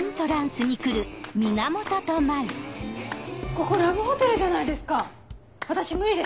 ここラブホテルじゃないですか私無理です！